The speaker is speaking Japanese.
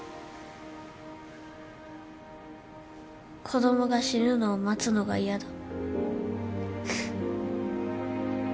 子供が死ぬのを待つのが嫌だ。